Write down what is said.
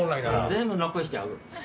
全部残しちゃう？